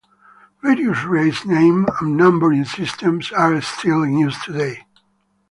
Various race name and numbering systems are still in use today.